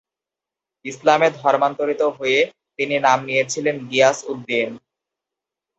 ইসলামে ধর্মান্তরিত হয়ে তিনি নাম নিয়েছিলেন গিয়াস-উদ-দ্বীন।